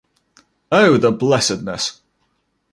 Oh, the Blessedness!